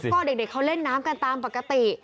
ก็เด็กเขาเล่นน้ำกันตามปกติ